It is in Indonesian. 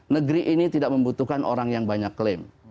negeri ini tidak membutuhkan orang yang banyak klaim